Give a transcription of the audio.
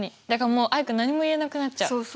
だからもうアイク何も言えなくなっちゃう。